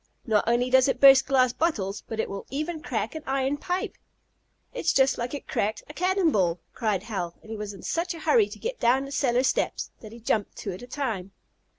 Not only does it burst glass bottles, but it will even crack an iron pipe." "Just like it cracked a cannon ball!" cried Hal, and he was in such a hurry to get down the cellar steps that he jumped two at a time.